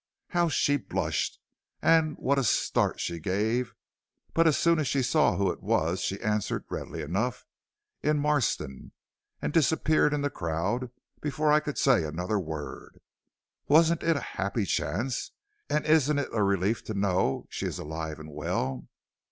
How she blushed and what a start she gave! but as soon as she saw who it was she answered readily enough, 'In Marston,' and disappeared in the crowd before I could say another word. Wasn't it a happy chance, and isn't it a relief to know she is alive and well.